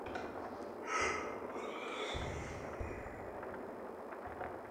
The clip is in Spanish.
Astor Piazzolla donó un bandoneón.